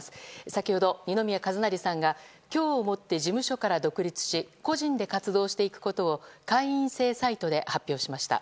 先ほど、二宮和也さんが今日をもって事務所から独立し個人で活動していくことを会員制サイトで発表しました。